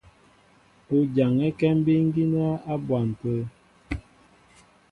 U jaŋɛ́kɛ́ mbíí gínɛ́ á bwan tə̂.